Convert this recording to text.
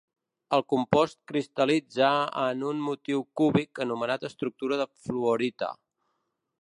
El compost cristal·litza en un motiu cúbic anomenat estructura de fluorita.